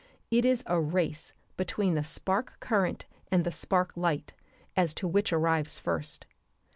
It is a race between the spark current and the spark light as to which arrives first.